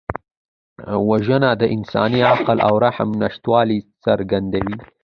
وژنه د انساني عقل او رحم نشتوالی څرګندوي